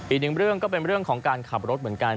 อีกหนึ่งเรื่องก็เป็นเรื่องของการขับรถเหมือนกัน